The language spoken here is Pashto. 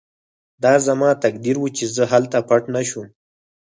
دا زما تقدیر و چې زه هلته پټ نه شوم